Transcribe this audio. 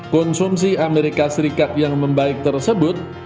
konsumsi as yang membaik tersebut